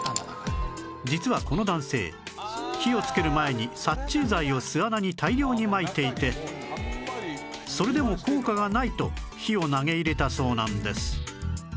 実はこの男性火をつける前に殺虫剤を巣穴に大量にまいていてそれでも効果がないと火を投げ入れたそうなんです